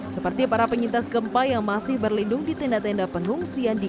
seperti para penyintas gempa yang masih berlindung di tenda tenda pengungsian di